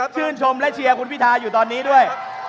ชื่นชมและเชียร์คุณพิทาอยู่ตอนนี้ด้วย